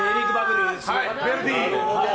ヴェルディ。